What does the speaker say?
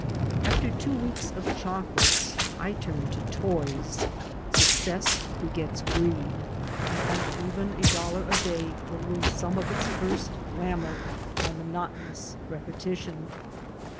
After two weeks of chocolates I turned to toys. Suc cess begets greed, and even a dollar a day will lose some of its first glamour by monotonous repetition.